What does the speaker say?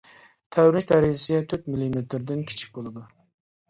تەۋرىنىش دەرىجىسى تۆت مىللىمېتىردىن كىچىك بولىدۇ.